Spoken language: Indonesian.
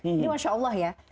ini masya allah ya